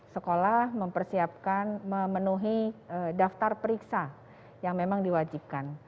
sekolah mempersiapkan memenuhi daftar periksa yang memang diwajibkan